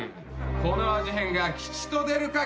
この味変が吉と出るか？